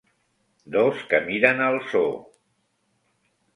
Dos que miren al zoo.